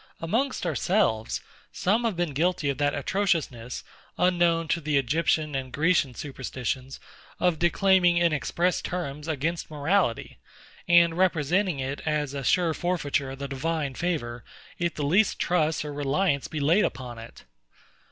Amongst ourselves, some have been guilty of that atrociousness, unknown to the Egyptian and Grecian superstitions, of declaiming in express terms, against morality; and representing it as a sure forfeiture of the Divine favour, if the least trust or reliance be laid upon it.